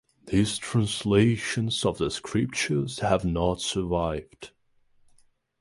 These translations of the Scriptures have not survived.